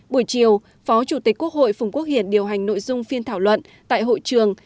buổi chiều phó chủ tịch quốc hội phùng quốc hiển điều hành nội dung phiên thảo luận tại hội trường